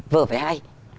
vỡ về ai